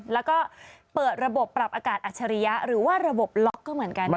แล้วก็เปิดระบบปรับอากาศอัจฉริยะหรือว่าระบบล็อกก็เหมือนกัน